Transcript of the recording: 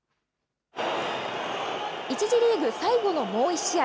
１次リーグ最後のもう１試合。